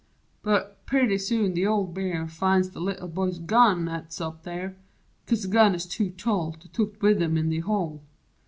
But, purty soon th' old Bear finds The Little Boy's gun 'at's up there 'cause the gun It's too tall to tooked wiv him in the hole.